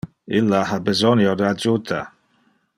Illa ha besonio de adjuta.